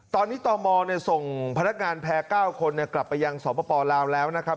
ตอนนี้ตอมบส่งพนักงานแพ้๙คนกลับไปรักษาศาสตร์ปภราวแล้วนะครับ